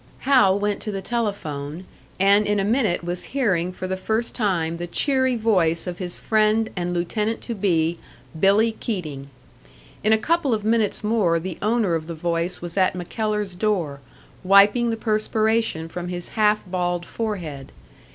Hal went to the telephone, and in a minute was hearing for the first time the cheery voice of his friend and lieutenant to be, "Billy" Keating. In a couple of minutes more the owner of the voice was at MacKellar's door, wiping the perspiration from his half bald forehead.